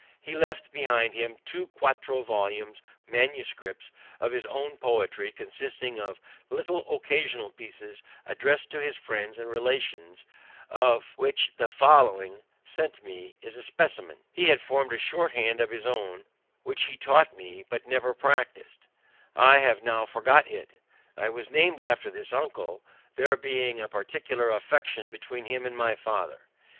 He left behind him two quarto volumes, MS., of his own poetry, consisting of little occasional pieces addressed to his friends and relations, of which the following, sent to me, is a specimen. He had formed a short hand of his own, which he taught me, but, never practising it, I have now forgot it. I was named after this uncle, there being a particular affection between him and my father.